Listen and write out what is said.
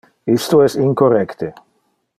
Isto es incorrecte.